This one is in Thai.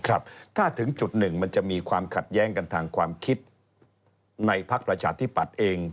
ถ้าถึงจุดหนึ่งมันจะมีความขัดแย้งกันทางความคิดในพักประชาธิปัตย์เอง